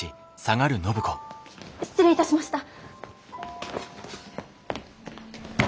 失礼いたしました。